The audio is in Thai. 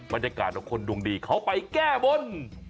บรรยากาศของคนดวงดีเขาไปแก้บน